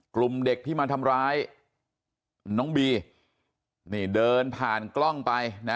กลุ่มเด็กที่มาทำร้ายน้องบีนี่เดินผ่านกล้องไปนะ